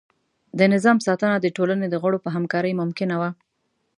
د نظام ساتنه د ټولنې د غړو په همکارۍ ممکنه وه.